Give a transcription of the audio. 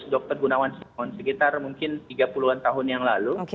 dr gunawan sekitar mungkin tiga puluh an tahun yang lalu